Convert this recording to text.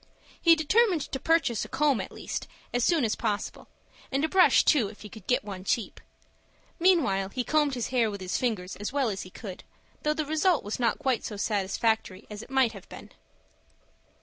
He determined to purchase a comb, at least, as soon as possible, and a brush too, if he could get one cheap. Meanwhile he combed his hair with his fingers as well as he could, though the result was not quite so satisfactory as it might have been.